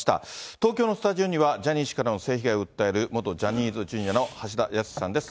東京のスタジオには、ジャニー氏からの性被害を訴える元ジャニーズＪｒ．の橋田康さんです。